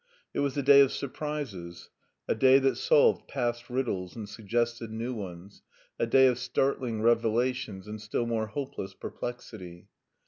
It was a day of surprises, a day that solved past riddles and suggested new ones, a day of startling revelations, and still more hopeless perplexity.